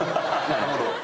なるほど。